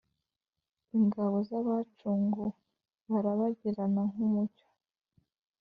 Ingabo z’ abacunguwe, Barabagirana nk’ umucyo